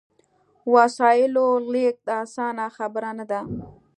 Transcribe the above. وسایلو لېږد اسانه خبره نه ده.